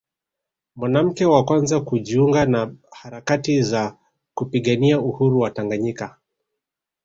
mwanamke wa kwanza kujiunga na harakati za kupigania Uhuru wa Tanganyika